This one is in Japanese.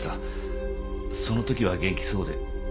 そのときは元気そうで。